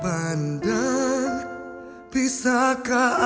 aku akan mencari kamu